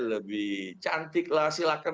lebih cantik lah silahkan